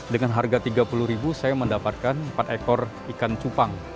dengan harga rp tiga puluh saya mendapatkan empat ekor ikan cupang